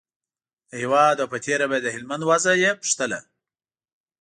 د هېواد او په تېره بیا د هلمند وضعه یې پوښتله.